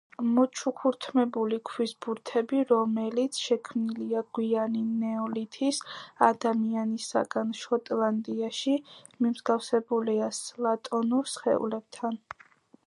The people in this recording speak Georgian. მოჩუქურთმებული ქვის ბურთები, რომელიც შექმნილია გვიანი ნეოლითის ადამიანისაგან შოტლანდიაში, მიმსგავსებულია პლატონურ სხეულებთან.